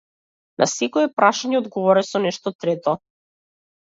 На секое прашање одговарај со нешто трето.